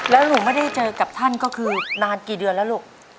แล้วหนูไม่ได้เจอกับท่านก็คือนานกี่เดือนแล้วลูก